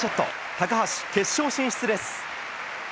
高橋、決勝進出です。